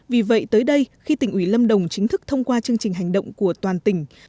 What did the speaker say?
vì vậy tới đây khi tỉnh ủy lâm đồng chính thức thông qua chương trình hành động của toàn tỉnh